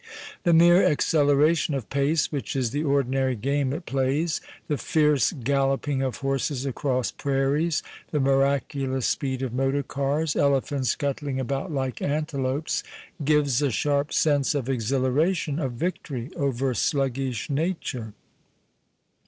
The mere acceleration of pace (which is the ordinary game it plays) — the fierce galloping of horses across prairies, the miracu lous speed of motor cars, elephants scuttling about like antelopes — gives a sharp sense of exhilaration, of victory over sluggish nature.